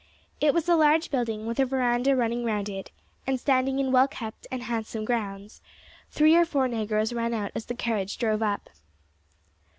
It was a large building, with a verandah running round it, and standing in well kept and handsome grounds; three or four negroes ran out as the carriage drove up.